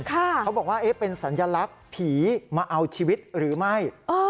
เขาบอกว่าเป็นสัญลักษณ์ผีมาเอาชีวิตหรือไม่